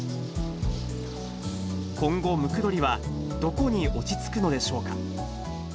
今後、ムクドリはどこに落ち着くのでしょうか。